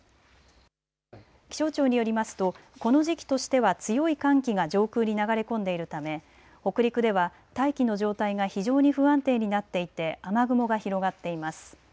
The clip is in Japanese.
気象庁によりますとこの時期としては強い寒気が上空に流れ込んでいるため北陸では大気の状態が非常に不安定になっていて雨雲が広がっています。